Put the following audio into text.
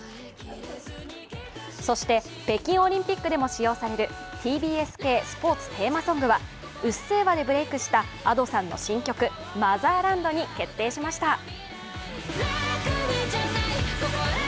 そして北京オリンピックでも使用される、ＴＢＳ系スポーツテーマソングは、「うっせぇわ」でブレイクしたＡｄｏさんの新曲「マザーランド」に決定しました。